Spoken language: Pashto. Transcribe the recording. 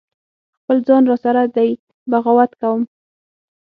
خپل ځان را سره دی بغاوت کوم